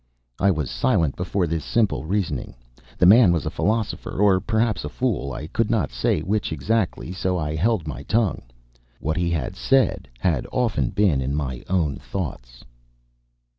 I was silent before this simple reasoning. The man was a philosopher, or perhaps a fool; I could not say which exactly, so I held my tongue. What he had said, had often been in my own thoughts.